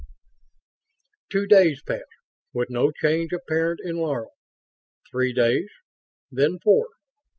V Two days passed, with no change apparent in Laro. Three days. Then four.